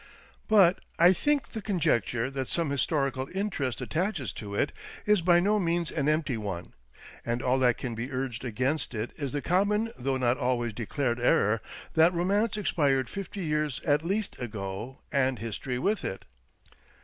But I think the conjecture that some historical interest attaches to it is by no means an empty one, and all that can be urged against it is the common though not always declared error that romance expired fifty years at least ago, and history with it.